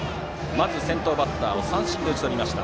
まず先頭バッターを三振で打ち取りました。